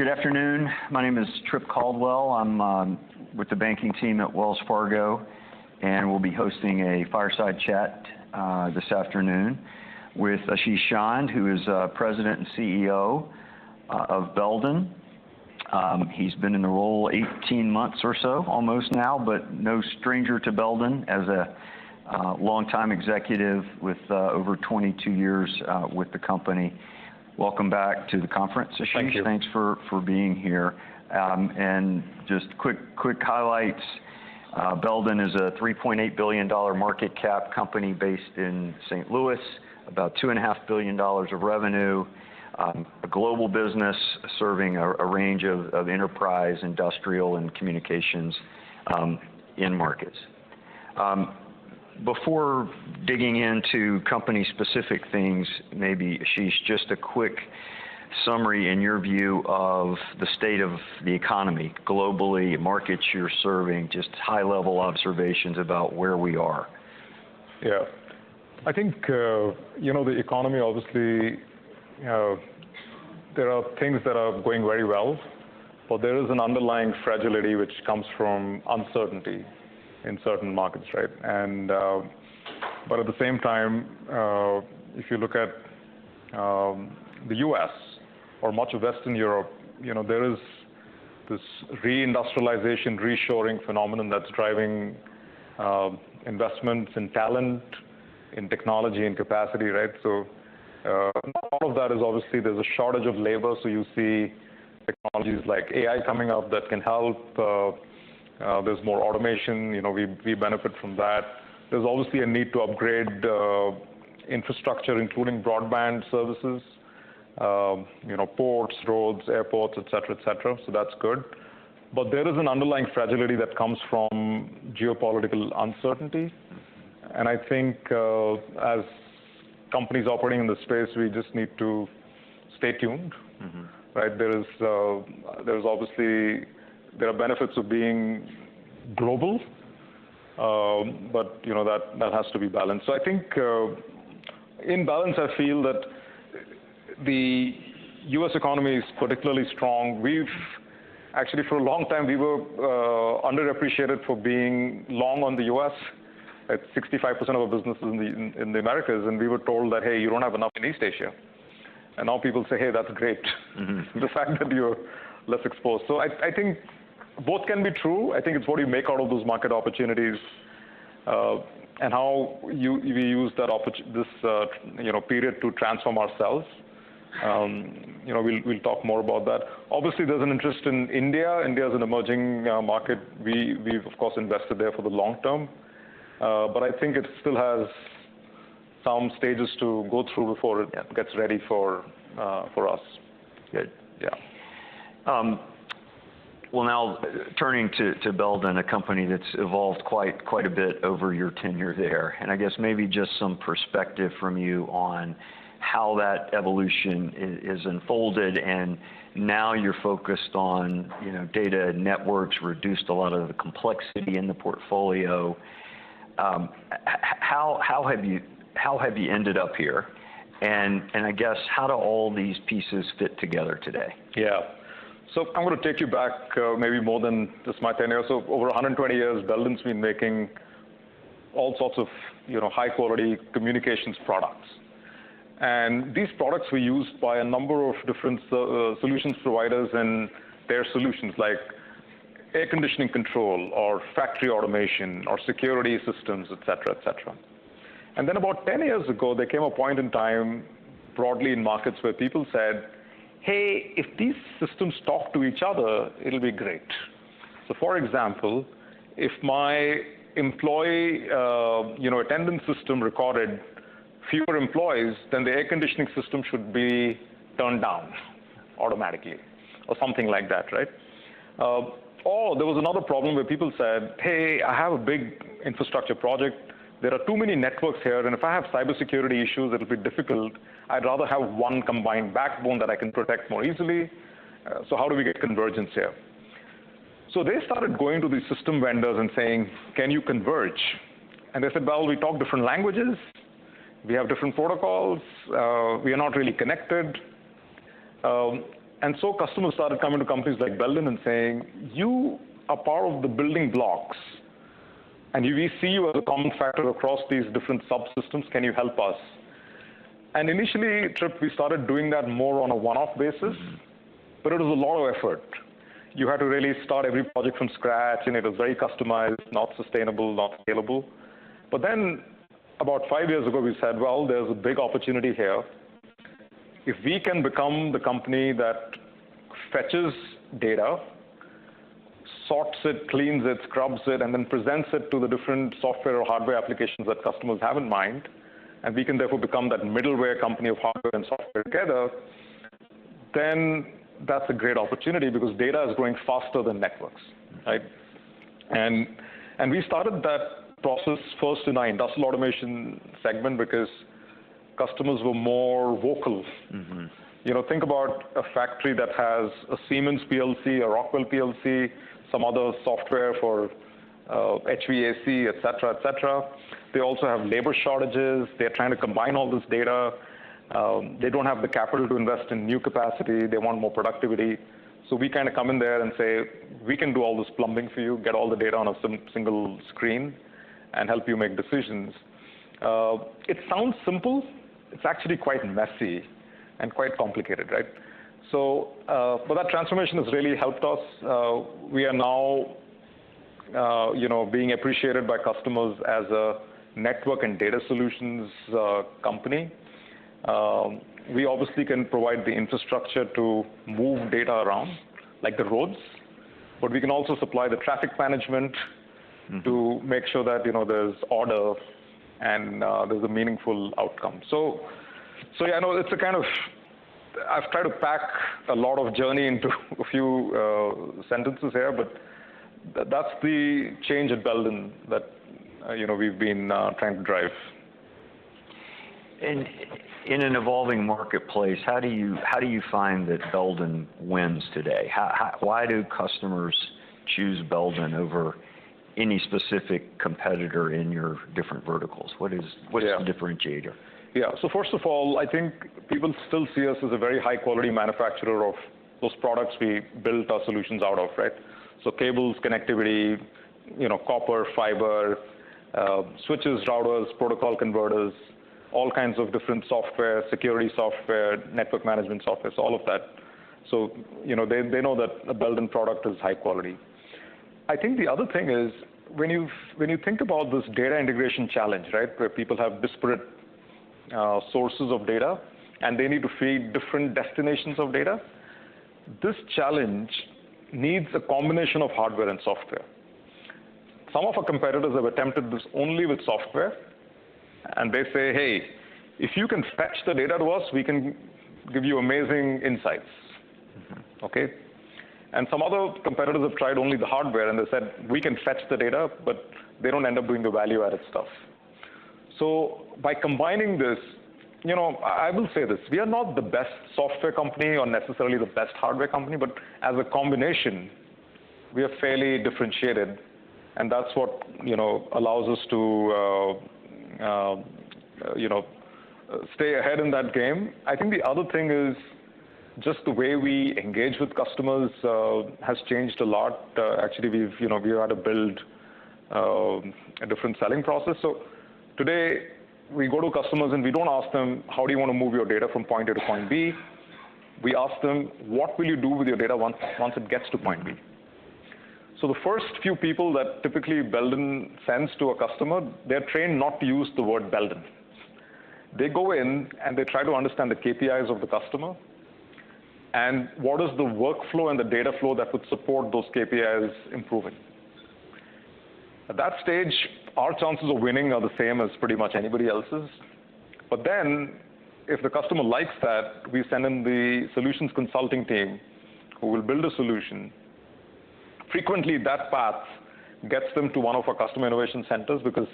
Good afternoon. My name is Trip Caldwell. I'm with the banking team at Wells Fargo, and we'll be hosting a fireside chat this afternoon with Ashish Chand, who is President and CEO of Belden. He's been in the role 18 months or so, almost now, but no stranger to Belden as a longtime executive with over 22 years with the company. Welcome back to the conference, Ashish. Thank you. Thanks for being here. Just quick highlights: Belden is a $3.8 billion market cap company based in St. Louis, about $2.5 billion of revenue, a global business serving a range of enterprise, industrial, and communications markets. Before digging into company-specific things, maybe, Ashish, just a quick summary in your view of the state of the economy globally, markets you're serving, just high-level observations about where we are. Yeah. I think, you know, the economy, obviously, there are things that are going very well, but there is an underlying fragility which comes from uncertainty in certain markets, right? But at the same time, if you look at the U.S. or much of Western Europe, there is this reindustrialization, reshoring phenomenon that's driving investments in talent, in technology, in capacity, right? So all of that is obviously, there's a shortage of labor, so you see technologies like AI coming up that can help. There's more automation. We benefit from that. There's obviously a need to upgrade infrastructure, including broadband services, ports, roads, airports, etc, etc. So that's good. But there is an underlying fragility that comes from geopolitical uncertainty. And I think as companies operating in the space, we just need to stay tuned, right? There's obviously, there are benefits of being global, but that has to be balanced. So I think in balance, I feel that the U.S. economy is particularly strong. Actually, for a long time, we were underappreciated for being long on the U.S. It's 65% of our business is in the Americas, and we were told that, hey, you don't have enough in East Asia. And now people say, hey, that's great, the fact that you're less exposed. So I think both can be true. I think it's what you make out of those market opportunities and how we use this period to transform ourselves. We'll talk more about that. Obviously, there's an interest in India. India is an emerging market. We've, of course, invested there for the long term, but I think it still has some stages to go through before it gets ready for us. Good. Yeah. Well, now turning to Belden, a company that's evolved quite a bit over your tenure there, and I guess maybe just some perspective from you on how that evolution has unfolded, and now you're focused on data networks, reduced a lot of the complexity in the portfolio. How have you ended up here? And I guess how do all these pieces fit together today? Yeah. So I'm going to take you back maybe more than just my tenure. So over 120 years, Belden's been making all sorts of high-quality communications products. And these products were used by a number of different solutions providers and their solutions, like air conditioning control or factory automation or security systems, etc, etc. And then about 10 years ago, there came a point in time broadly in markets where people said, hey, if these systems talk to each other, it'll be great. So for example, if my employee attendance system recorded fewer employees, then the air conditioning system should be turned down automatically or something like that, right? Or there was another problem where people said, hey, I have a big infrastructure project. There are too many networks here, and if I have cybersecurity issues, it'll be difficult. I'd rather have one combined backbone that I can protect more easily. So how do we get convergence here? So they started going to these system vendors and saying, can you converge? And they said, well, we talk different languages. We have different protocols. We are not really connected. And so customers started coming to companies like Belden and saying, you are part of the building blocks, and we see you as a common factor across these different subsystems. Can you help us? And initially, Trip, we started doing that more on a one-off basis, but it was a lot of effort. You had to really start every project from scratch, and it was very customized, not sustainable, not scalable. But then about five years ago, we said, well, there's a big opportunity here. If we can become the company that fetches data, sorts it, cleans it, scrubs it, and then presents it to the different software or hardware applications that customers have in mind, and we can therefore become that middleware company of hardware and software together, then that's a great opportunity because data is growing faster than networks, right? We started that process first in our industrial automation segment because customers were more vocal. Think about a factory that has a Siemens PLC, a Rockwell PLC, some other software for HVAC, etc, etc. They also have labor shortages. They're trying to combine all this data. They don't have the capital to invest in new capacity. They want more productivity. We kind of come in there and say, we can do all this plumbing for you, get all the data on a single screen, and help you make decisions. It sounds simple. It's actually quite messy and quite complicated, right? So that transformation has really helped us. We are now being appreciated by customers as a network and data solutions company. We obviously can provide the infrastructure to move data around, like the roads, but we can also supply the traffic management to make sure that there's order and there's a meaningful outcome. So I know it's a kind of, I've tried to pack a lot of journey into a few sentences here, but that's the change at Belden that we've been trying to drive. In an evolving marketplace, how do you find that Belden wins today? Why do customers choose Belden over any specific competitor in your different verticals? What's the differentiator? Yeah. So first of all, I think people still see us as a very high-quality manufacturer of those products we built our solutions out of, right? So cables, connectivity, copper, fiber, switches, routers, protocol converters, all kinds of different software, security software, network management software, so all of that. So they know that a Belden product is high quality. I think the other thing is when you think about this data integration challenge, right, where people have disparate sources of data and they need to feed different destinations of data, this challenge needs a combination of hardware and software. Some of our competitors have attempted this only with software, and they say, hey, if you can fetch the data to us, we can give you amazing insights, okay? Some other competitors have tried only the hardware, and they said, we can fetch the data, but they don't end up doing the value-added stuff. So by combining this, I will say this, we are not the best software company or necessarily the best hardware company, but as a combination, we are fairly differentiated, and that's what allows us to stay ahead in that game. I think the other thing is just the way we engage with customers has changed a lot. Actually, we had to build a different selling process. So today, we go to customers and we don't ask them, how do you want to move your data from point A to point B? We ask them, what will you do with your data once it gets to point B? So the first few people that typically Belden sends to a customer, they're trained not to use the word Belden. They go in and they try to understand the KPIs of the customer and what is the workflow and the data flow that would support those KPIs improving. At that stage, our chances of winning are the same as pretty much anybody else's. But then if the customer likes that, we send in the solutions consulting team who will build a solution. Frequently, that path gets them to one of our Customer Innovation Centers because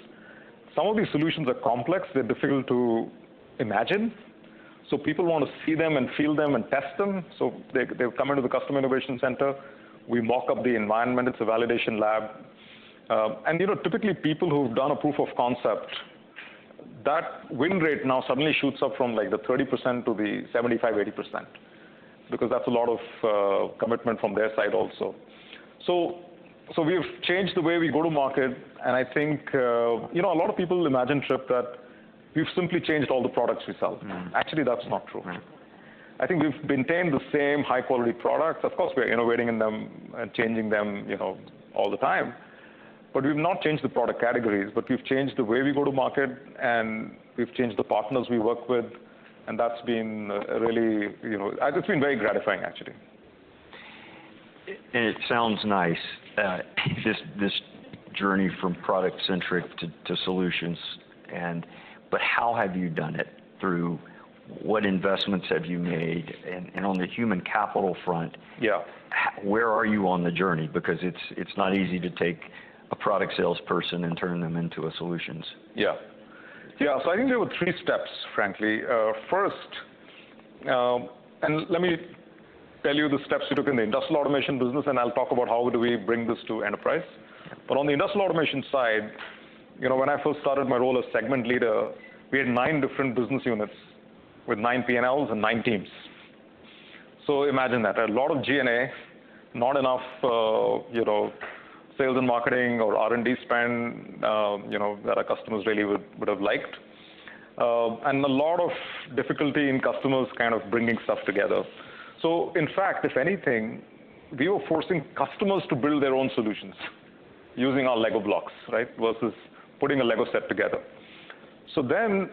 some of these solutions are complex. They're difficult to imagine. So people want to see them and feel them and test them. So they come into the Customer Innovation Center. We mock up the environment. It's a validation lab. Typically, people who've done a proof of concept, that win rate now suddenly shoots up from like 30% to 75%-80% because that's a lot of commitment from their side also. So we have changed the way we go to market, and I think a lot of people imagine, Trip, that we've simply changed all the products we sell. Actually, that's not true. I think we've maintained the same high-quality products. Of course, we are innovating in them and changing them all the time, but we've not changed the product categories, but we've changed the way we go to market and we've changed the partners we work with, and that's been really, it's been very gratifying, actually. It sounds nice, this journey from product-centric to solutions, but how have you done it? Through what investments have you made? And on the human capital front, where are you on the journey? Because it's not easy to take a product salesperson and turn them into a solutions. Yeah. Yeah. So I think there were three steps, frankly. First, and let me tell you the steps we took in the industrial automation business, and I'll talk about how do we bring this to enterprise. But on the industrial automation side, when I first started my role as segment leader, we had nine different business units with nine P&Ls and nine teams. So imagine that. A lot of G&A, not enough sales and marketing or R&D spend that our customers really would have liked, and a lot of difficulty in customers kind of bringing stuff together. So in fact, if anything, we were forcing customers to build their own solutions using our Lego blocks, right, versus putting a Lego set together. So then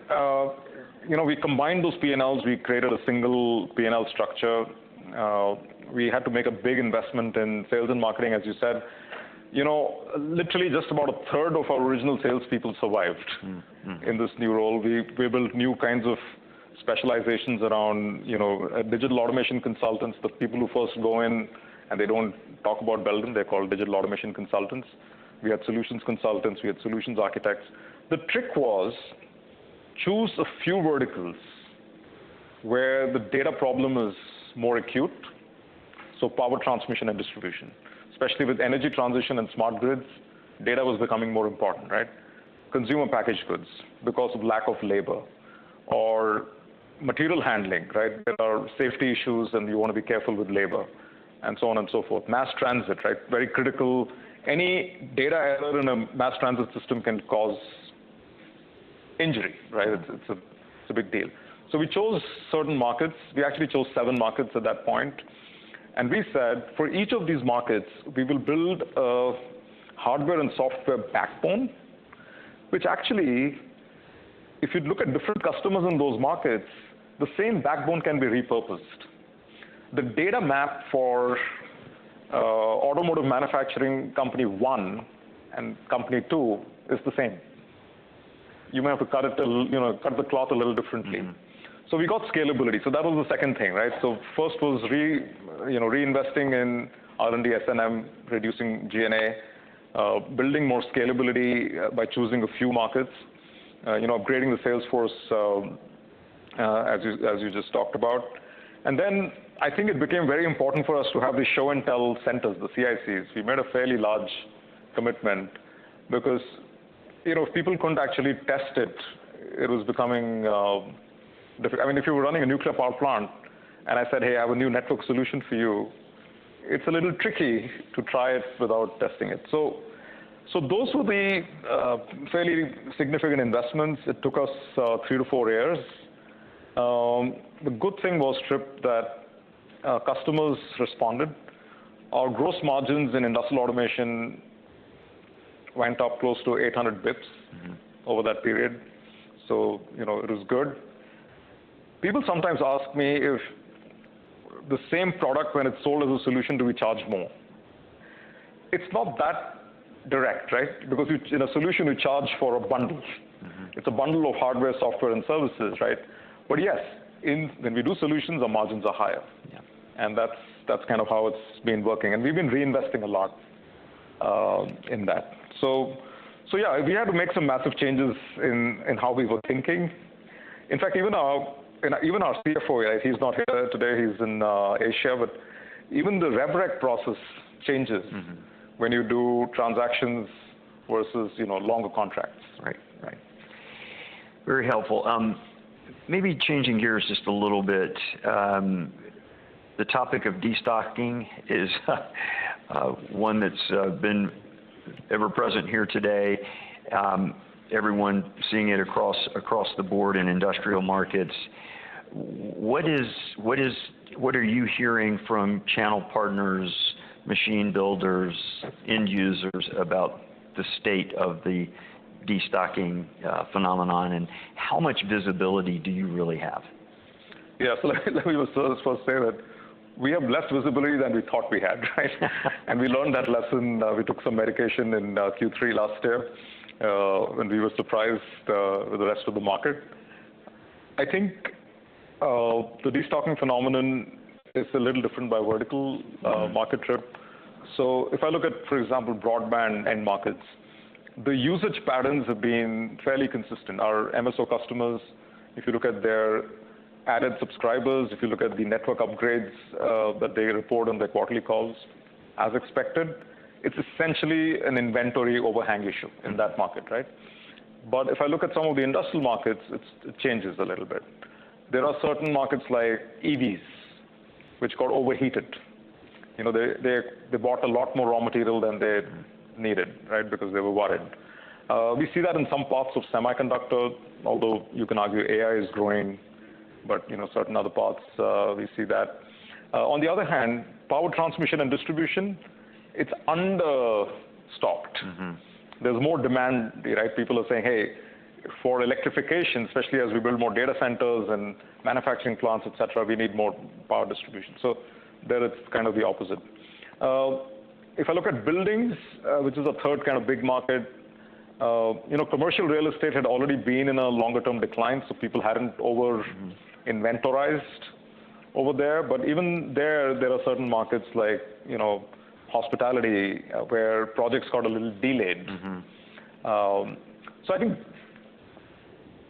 we combined those P&Ls. We created a single P&L structure. We had to make a big investment in sales and marketing, as you said. Literally, just about a third of our original salespeople survived in this new role. We built new kinds of specializations around Digital Automation Consultants. The people who first go in and they don't talk about Belden; they're called Digital Automation Consultants. We had Solutions Consultants. We had Solutions Architects. The trick was choose a few verticals where the data problem is more acute. So power transmission and distribution, especially with energy transition and smart grids, data was becoming more important, right? Consumer packaged goods because of lack of labor or material handling, right? There are safety issues and you want to be careful with labor and so on and so forth. Mass transit, right? Very critical. Any data error in a mass transit system can cause injury, right? It's a big deal. So we chose certain markets. We actually chose seven markets at that point. We said, for each of these markets, we will build a hardware and software backbone, which actually, if you look at different customers in those markets, the same backbone can be repurposed. The data map for automotive manufacturing company one and company two is the same. You may have to cut the cloth a little differently. So we got scalability. So that was the second thing, right? So first was reinvesting in R&D, S&M, reducing G&A, building more scalability by choosing a few markets, upgrading the sales force, as you just talked about. And then I think it became very important for us to have the show and tell centers, the CICs. We made a fairly large commitment because if people couldn't actually test it, it was becoming, I mean, if you were running a nuclear power plant and I said, hey, I have a new network solution for you, it's a little tricky to try it without testing it. So those were the fairly significant investments. It took us 3-4 years. The good thing was, Trip, that customers responded. Our gross margins in industrial automation went up close to 800 bps over that period. So it was good. People sometimes ask me if the same product, when it's sold as a solution, do we charge more? It's not that direct, right? Because in a solution, we charge for a bundle. It's a bundle of hardware, software, and services, right? But yes, when we do solutions, our margins are higher. And that's kind of how it's been working. We've been reinvesting a lot in that. So yeah, we had to make some massive changes in how we were thinking. In fact, even our CFO, he's not here today. He's in Asia, but even the redirect process changes when you do transactions versus longer contracts. Right. Right. Very helpful. Maybe changing gears just a little bit. The topic of destocking is one that's been ever present here today. Everyone seeing it across the board in industrial markets. What are you hearing from channel partners, machine builders, end users about the state of the destocking phenomenon? And how much visibility do you really have? Yeah. So let me first say that we have less visibility than we thought we had, right? And we learned that lesson. We took some medication in Q3 last year and we were surprised with the rest of the market. I think the destocking phenomenon is a little different by vertical market, Trip. So if I look at, for example, broadband end markets, the usage patterns have been fairly consistent. Our MSO customers, if you look at their added subscribers, if you look at the network upgrades that they report on their quarterly calls, as expected, it's essentially an inventory overhang issue in that market, right? But if I look at some of the industrial markets, it changes a little bit. There are certain markets like EVs, which got overheated. They bought a lot more raw material than they needed, right, because they were worried. We see that in some parts of semiconductor, although you can argue AI is growing, but certain other parts, we see that. On the other hand, power transmission and distribution, it's understocked. There's more demand, right? People are saying, hey, for electrification, especially as we build more data centers and manufacturing plants, etc, we need more power distribution. So there it's kind of the opposite. If I look at buildings, which is a third kind of big market, commercial real estate had already been in a longer-term decline, so people hadn't over-inventoried over there. But even there, there are certain markets like hospitality where projects got a little delayed. So I think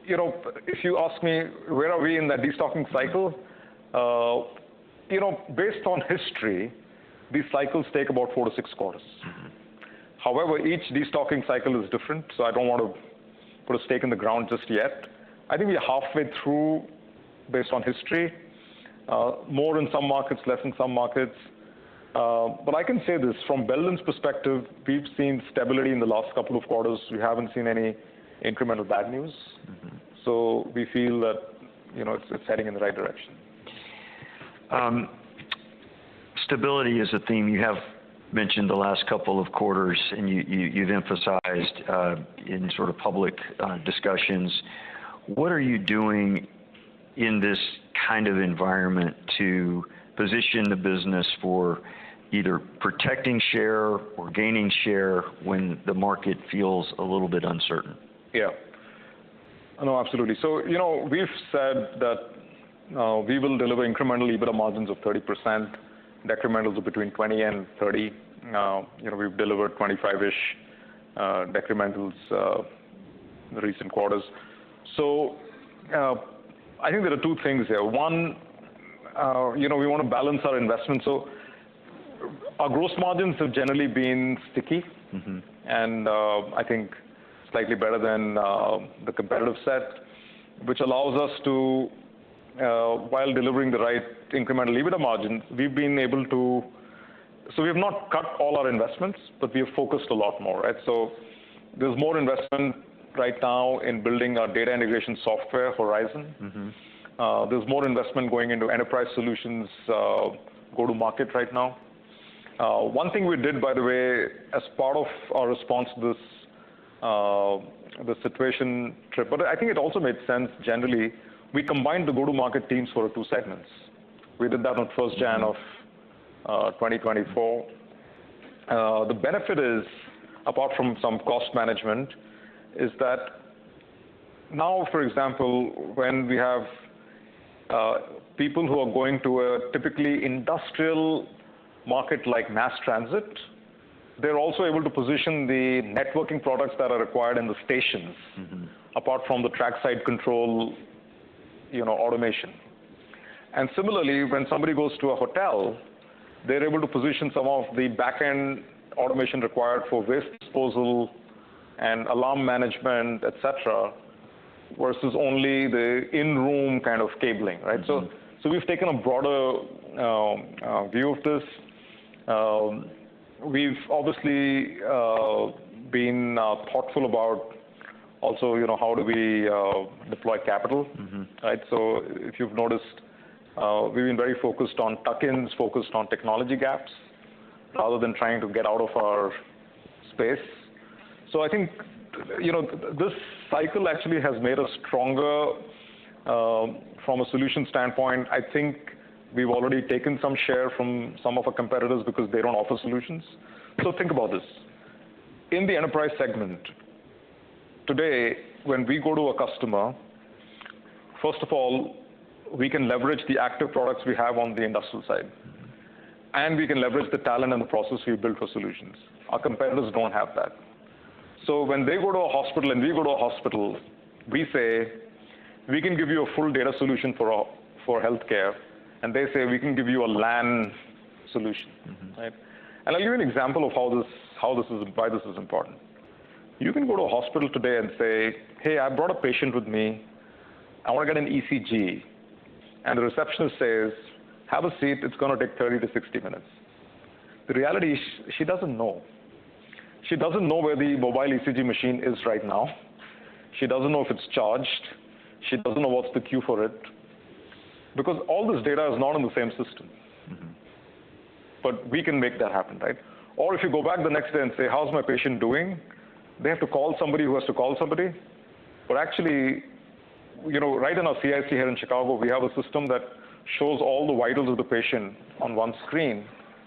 if you ask me where are we in that destocking cycle, based on history, these cycles take about 4-6 quarters. However, each destocking cycle is different, so I don't want to put a stake in the ground just yet. I think we are halfway through based on history, more in some markets, less in some markets. But I can say this, from Belden's perspective, we've seen stability in the last couple of quarters. We haven't seen any incremental bad news. So we feel that it's heading in the right direction. Stability is a theme you have mentioned the last couple of quarters and you've emphasized in sort of public discussions. What are you doing in this kind of environment to position the business for either protecting share or gaining share when the market feels a little bit uncertain? Yeah. No, absolutely. So we've said that we will deliver incrementally better margins of 30%, decrementals of between 20%-30%. We've delivered 25-ish% decrementals in the recent quarters. So I think there are two things here. One, we want to balance our investment. So our gross margins have generally been sticky and I think slightly better than the competitive set, which allows us to, while delivering the right incremental EBITDA margins, we've been able to, so we have not cut all our investments, but we have focused a lot more, right? So there's more investment right now in building our data integration software, Horizon. There's more investment going into enterprise solutions, go-to-market right now. One thing we did, by the way, as part of our response to this situation, Trip, but I think it also made sense generally, we combined the go-to-market teams for two segments. We did that on 1st January 2024. The benefit is, apart from some cost management, is that now, for example, when we have people who are going to a typically industrial market like mass transit, they're also able to position the networking products that are required in the stations, apart from the trackside control automation. And similarly, when somebody goes to a hotel, they're able to position some of the backend automation required for waste disposal and alarm management, etc, versus only the in-room kind of cabling, right? So we've taken a broader view of this. We've obviously been thoughtful about also how do we deploy capital, right? So if you've noticed, we've been very focused on tuck-ins, focused on technology gaps rather than trying to get out of our space. So I think this cycle actually has made us stronger from a solution standpoint. I think we've already taken some share from some of our competitors because they don't offer solutions. So think about this. In the enterprise segment, today, when we go to a customer, first of all, we can leverage the active products we have on the industrial side, and we can leverage the talent and the process we've built for solutions. Our competitors don't have that. So when they go to a hospital and we go to a hospital, we say, "We can give you a full data solution for healthcare," and they say, "We can give you a LAN solution," right? And I'll give you an example of how this is, why this is important. You can go to a hospital today and say, "Hey, I brought a patient with me. I want to get an ECG," and the receptionist says, "Have a seat. It's going to take 30-60 minutes." The reality is she doesn't know. She doesn't know where the mobile ECG machine is right now. She doesn't know if it's charged. She doesn't know what's the queue for it because all this data is not in the same system. But we can make that happen, right? Or if you go back the next day and say, "How's my patient doing?" They have to call somebody who has to call somebody. But actually, right in our CIC here in Chicago, we have a system that shows all the vitals of the patient on one screen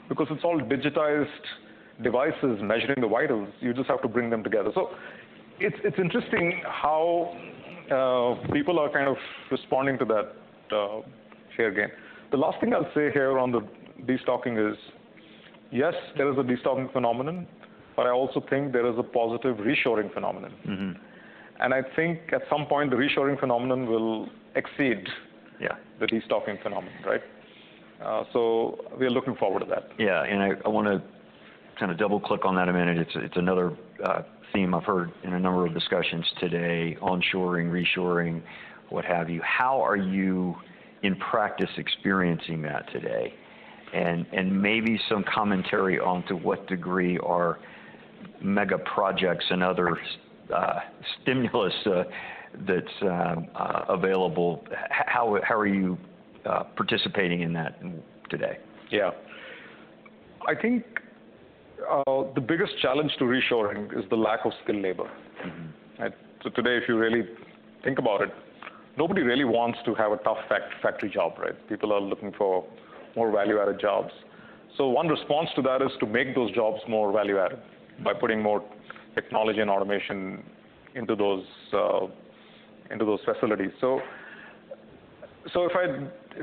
because it's all digitized devices measuring the vitals. You just have to bring them together. So it's interesting how people are kind of responding to that here again. The last thing I'll say here on the destocking is, yes, there is a destocking phenomenon, but I also think there is a positive reshoring phenomenon. And I think at some point, the reshoring phenomenon will exceed the destocking phenomenon, right? So we are looking forward to that. Yeah. And I want to kind of double-click on that a minute. It's another theme I've heard in a number of discussions today, onshoring, reshoring, what have you. How are you in practice experiencing that today? And maybe some commentary on to what degree are mega projects and other stimulus that's available? How are you participating in that today? Yeah. I think the biggest challenge to reshoring is the lack of skilled labor. So today, if you really think about it, nobody really wants to have a tough factory job, right? People are looking for more value-added jobs. So one response to that is to make those jobs more value-added by putting more technology and automation into those facilities. So if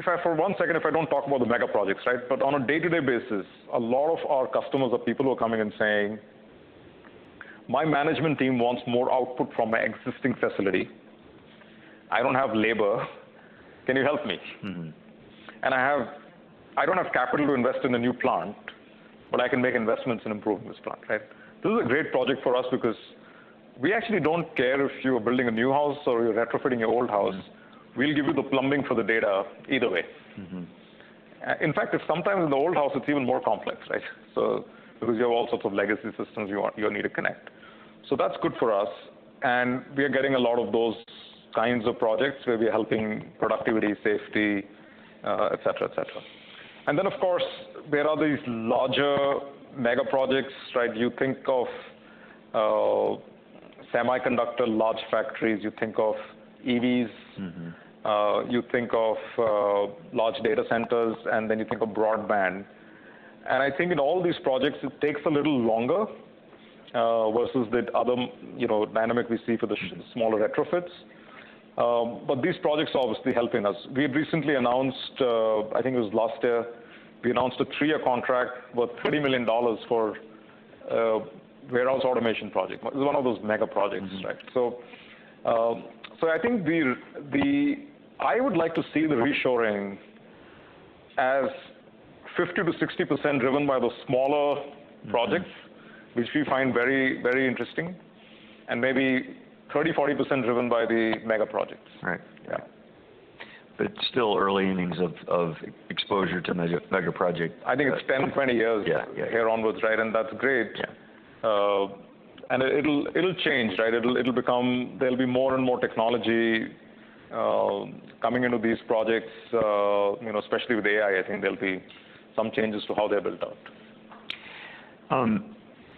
I for one second, if I don't talk about the mega projects, right? But on a day-to-day basis, a lot of our customers are people who are coming and saying, "My management team wants more output from my existing facility. I don't have labor. Can you help me?" And I don't have capital to invest in a new plant, but I can make investments and improve this plant, right? This is a great project for us because we actually don't care if you are building a new house or you're retrofitting your old house. We'll give you the plumbing for the data either way. In fact, sometimes in the old house, it's even more complex, right? Because you have all sorts of legacy systems you need to connect. So that's good for us. And we are getting a lot of those kinds of projects where we're helping productivity, safety, etc, etca. And then, of course, there are these larger mega projects, right? You think of semiconductor large factories, you think of EVs, you think of large data centers, and then you think of broadband. And I think in all these projects, it takes a little longer versus the other dynamic we see for the smaller retrofits. But these projects are obviously helping us. We had recently announced, I think it was last year, we announced a three-year contract worth $30 million for a warehouse automation project. It was one of those mega projects, right? So I think I would like to see the reshoring as 50%-60% driven by the smaller projects, which we find very, very interesting, and maybe 30%-40% driven by the mega projects. Right. Yeah. But still early innings of exposure to mega projects. I think it's 10, 20 years here onwards, right? That's great. It'll change, right? There'll be more and more technology coming into these projects, especially with AI. I think there'll be some changes to how they're built out.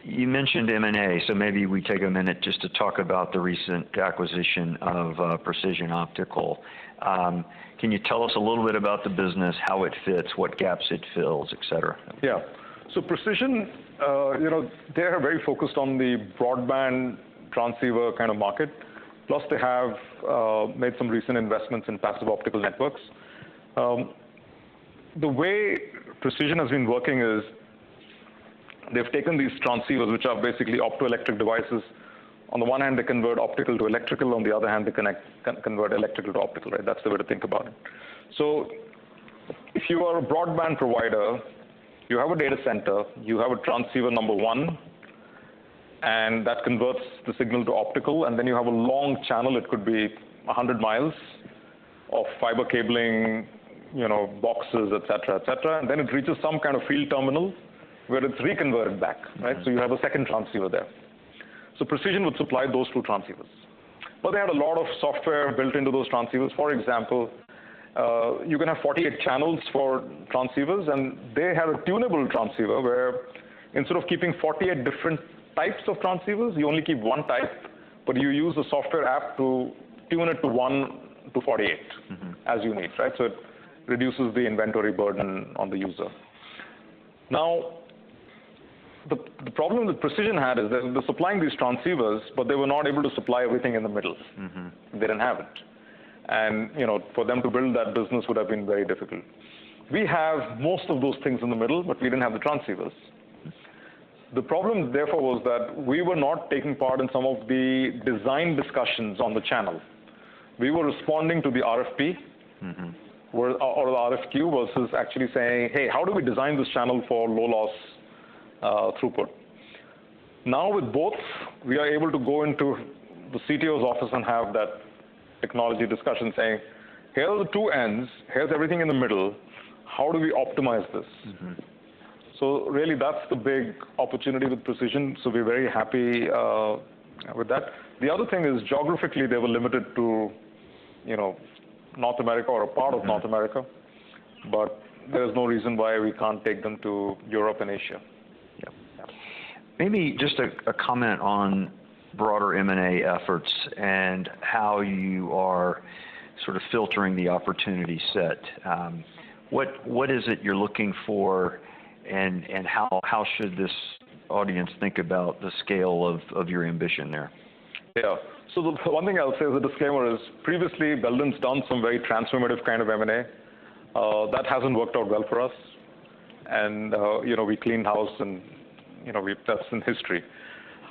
You mentioned M&A, so maybe we take a minute just to talk about the recent acquisition of Precision Optical. Can you tell us a little bit about the business, how it fits, what gaps it fills, etc? Yeah. So Precision, they are very focused on the broadband transceiver kind of market, plus they have made some recent investments in passive optical networks. The way Precision has been working is they've taken these transceivers, which are basically optoelectric devices. On the one hand, they convert optical to electrical. On the other hand, they convert electrical to optical, right? That's the way to think about it. So if you are a broadband provider, you have a data center, you have a transceiver number one, and that converts the signal to optical, and then you have a long channel. It could be 100 miles of fiber cabling, boxes, etc, etc. And then it reaches some kind of field terminal where it's reconverted back, right? So you have a second transceiver there. So Precision would supply those two transceivers. But they had a lot of software built into those transceivers. For example, you can have 48 channels for transceivers, and they had a tunable transceiver where instead of keeping 48 different types of transceivers, you only keep one type, but you use a software app to tune it to 1-48 as you need, right? So it reduces the inventory burden on the user. Now, the problem that Precision had is they were supplying these transceivers, but they were not able to supply everything in the middle. They didn't have it. And for them to build that business would have been very difficult. We have most of those things in the middle, but we didn't have the transceivers. The problem, therefore, was that we were not taking part in some of the design discussions on the channel. We were responding to the RFP or the RFQ versus actually saying, "Hey, how do we design this channel for low loss throughput?" Now with both, we are able to go into the CTO's office and have that technology discussion saying, "Here are the two ends. Here's everything in the middle. How do we optimize this?" So really, that's the big opportunity with Precision. So we're very happy with that. The other thing is geographically, they were limited to North America or a part of North America, but there's no reason why we can't take them to Europe and Asia. Yeah. Maybe just a comment on broader M&A efforts and how you are sort of filtering the opportunity set. What is it you're looking for and how should this audience think about the scale of your ambition there? Yeah. So the one thing I'll say as a disclaimer is previously, Belden's done some very transformative kind of M&A. That hasn't worked out well for us. And we cleaned house and that's in history.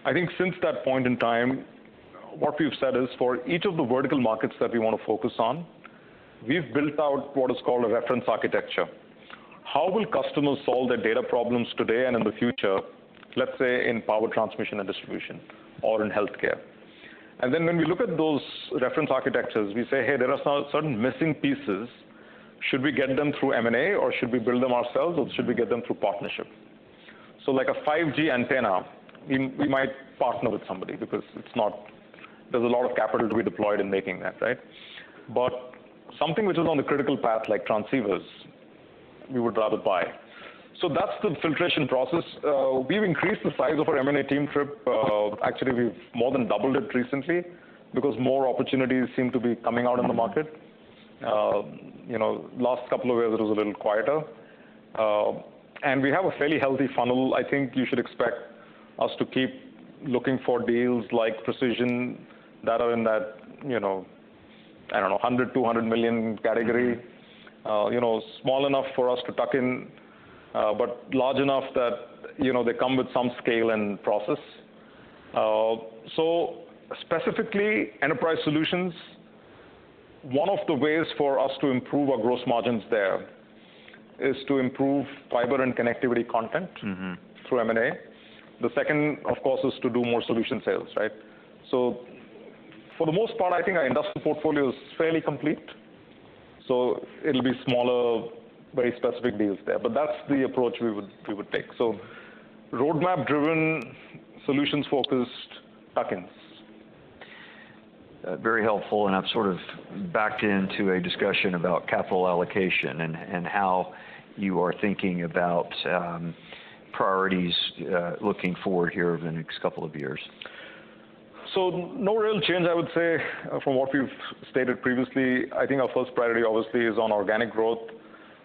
I think since that point in time, what we've said is for each of the vertical markets that we want to focus on, we've built out what is called a reference architecture. How will customers solve their data problems today and in the future, let's say in power transmission and distribution or in healthcare? And then when we look at those reference architectures, we say, "Hey, there are some certain missing pieces. Should we get them through M&A or should we build them ourselves or should we get them through partnership?" So like a 5G antenna, we might partner with somebody because there's a lot of capital to be deployed in making that, right? But something which is on the critical path like transceivers, we would rather buy. So that's the filtration process. We've increased the size of our M&A team, Trip. Actually, we've more than doubled it recently because more opportunities seem to be coming out in the market. Last couple of years, it was a little quieter. And we have a fairly healthy funnel. I think you should expect us to keep looking for deals like Precision that are in that, I don't know, $100 million-$200 million category, small enough for us to tuck in, but large enough that they come with some scale and process. So specifically, enterprise solutions, one of the ways for us to improve our gross margins there is to improve fiber and connectivity content through M&A. The second, of course, is to do more solution sales, right? So for the most part, I think our industrial portfolio is fairly complete. So it'll be smaller, very specific deals there. But that's the approach we would take. So roadmap-driven, solutions-focused tuck-ins. Very helpful. I've sort of backed into a discussion about capital allocation and how you are thinking about priorities looking forward here over the next couple of years. So no real change, I would say, from what we've stated previously. I think our first priority, obviously, is on organic growth.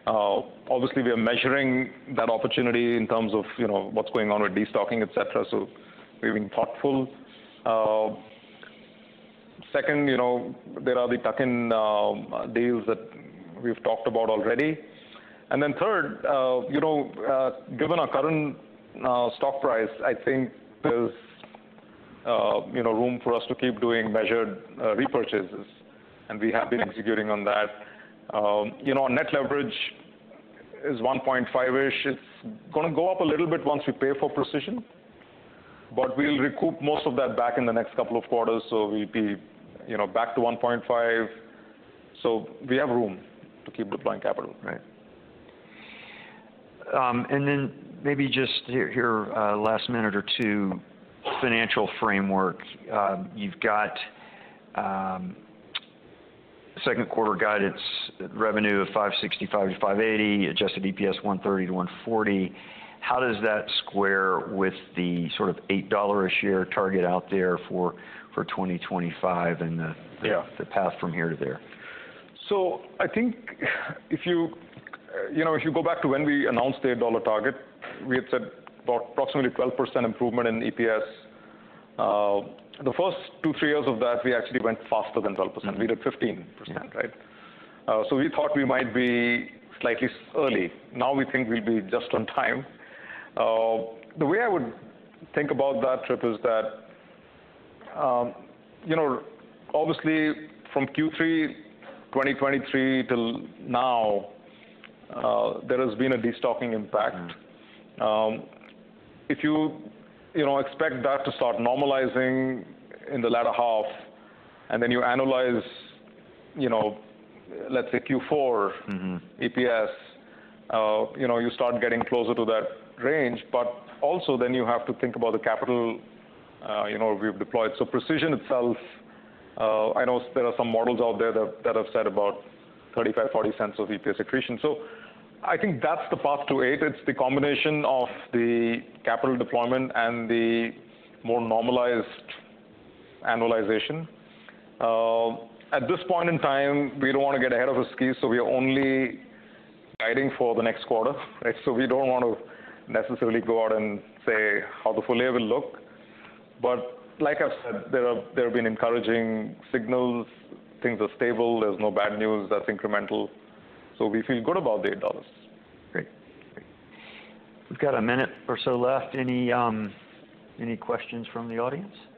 Obviously, we are measuring that opportunity in terms of what's going on with destocking, etc. So we've been thoughtful. Second, there are the tuck-in deals that we've talked about already. And then third, given our current stock price, I think there's room for us to keep doing measured repurchases, and we have been executing on that. Our net leverage is 1.5-ish. It's going to go up a little bit once we pay for Precision, but we'll recoup most of that back in the next couple of quarters. So we'll be back to 1.5. So we have room to keep deploying capital, right? Then maybe just the last minute or two, financial framework. You've got second quarter guidance revenue of $565-$580, adjusted EPS $1.30-$1.40. How does that square with the sort of $8 a share target out there for 2025 and the path from here to there? So I think if you go back to when we announced the $8 target, we had said approximately 12% improvement in EPS. The first 2-3 years of that, we actually went faster than 12%. We did 15%, right? So we thought we might be slightly early. Now we think we'll be just on time. The way I would think about that, Trip, is that obviously, from Q3 2023 till now, there has been a destocking impact. If you expect that to start normalizing in the latter half and then you analyze, let's say, Q4 EPS, you start getting closer to that range. But also then you have to think about the capital we've deployed. So Precision itself, I know there are some models out there that have said about $0.35-$0.40 of EPS accretion. So I think that's the path to it. It's the combination of the capital deployment and the more normalized annualization. At this point in time, we don't want to get ahead of the skis, so we are only guiding for the next quarter, right? So we don't want to necessarily go out and say how the full year will look. But like I've said, there have been encouraging signals. Things are stable. There's no bad news. That's incremental. So we feel good about the $8. Great. We've got a minute or so left. Any questions from the audience?